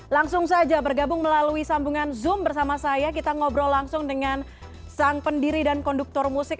langsung saja bergabung melalui sambungan zoom bersama saya kita ngobrol langsung dengan sang pendiri dan konduktor musik